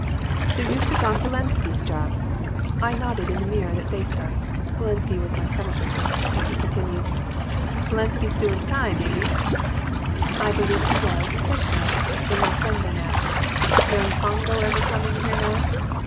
"'So you've took on Polensky's job?' "I nodded at the mirror that faced us (Polensky was my predecessor) and he continued, 'Polensky's doing time, ain't he?' "I believed he was and said so, and my friend then asked: "'Young Pongo ever come in here now?'